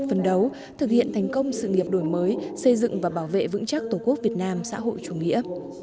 phấn đấu thực hiện thành công sự nghiệp đổi mới xây dựng và bảo vệ vững chắc tổ quốc việt nam xã hội chủ nghĩa